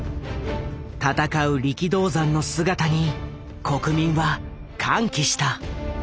戦う力道山の姿に国民は歓喜した。